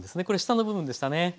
これ下の部分でしたね。